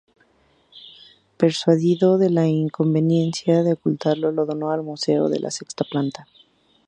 Persuadido de la inconveniencia de "ocultarlo", lo donó al Museo de la Sexta Planta.